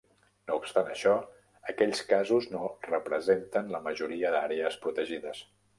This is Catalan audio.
No obstant això, aquells casos no representen la majoria d'àrees protegides.